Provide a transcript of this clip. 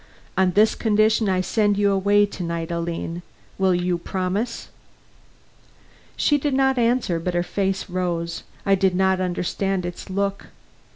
On this condition I send you away to night. Aline, will you promise?" She did not answer; but her face rose. I did not understand its look.